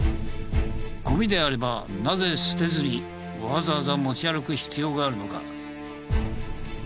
ゴミであればなぜ捨てずにわざわざ持ち歩く必要があるのか？